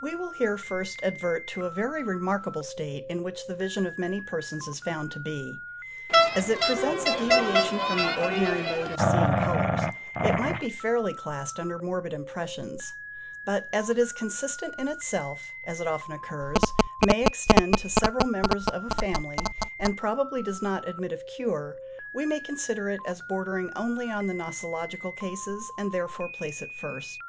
We will here first advert to a very remarkable state in which the vision of many persons is found to be. As it presents a deviation from the ordinary mode of seeing colours, it might be fairly classed under morbid impressions; but as it is consistent in itself, as it often occurs, may extend to several members of a family, and probably does not admit of cure, we may consider it as bordering only on the nosological cases, and therefore place it first.